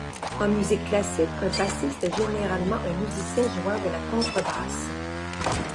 En musique classique, un bassiste est généralement un musicien jouant de la contrebasse.